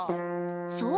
そう。